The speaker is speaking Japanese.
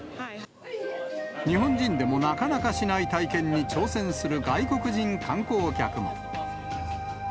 日本人でもなかなかしない体験に挑戦する外国人観光客も。